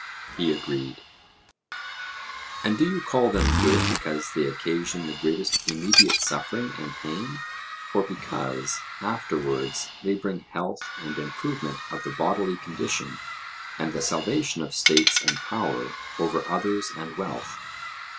He agreed. 'And do you call them good because they occasion the greatest immediate suffering and pain; or because, afterwards, they bring health and improvement of the bodily condition and the salvation of states and power over others and wealth?'